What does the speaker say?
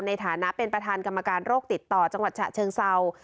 ในฐานะเป็นประธานกรรมการโรคติดต่อจังหวัดฉะเชิงเศร้า